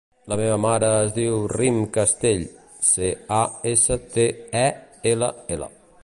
La meva mare es diu Rym Castell: ce, a, essa, te, e, ela, ela.